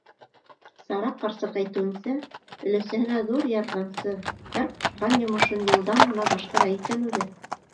Сара ҡарсыҡ әйтеүенсә, өләсәһенә ҙур ярҙамсы, һәр ҡушҡан йомошон йылдам ғына башҡара икән үҙе.